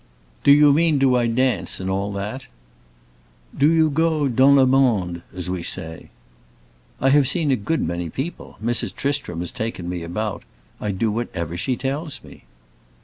"Do you mean do I dance, and all that?" "Do you go dans le monde, as we say?" "I have seen a good many people. Mrs. Tristram has taken me about. I do whatever she tells me."